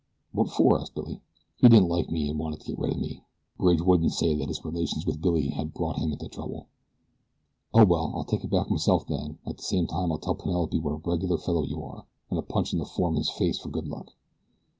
"What for?" asked Billy. "He didn't like me, and wanted to get rid of me." Bridge wouldn't say that his relations with Billy had brought him into trouble. "Oh, well, I'll take it back myself then, and at the same time I'll tell Penelope what a regular fellow you are, and punch in the foreman's face for good luck."